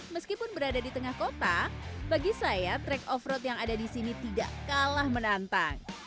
meskipun berada di tengah kota bagi saya track off road yang ada di sini tidak kalah menantang